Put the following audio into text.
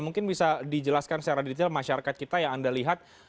mungkin bisa dijelaskan secara detail masyarakat kita yang anda lihat